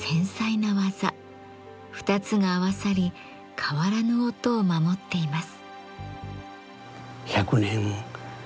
２つが合わさり変わらぬ音を守っています。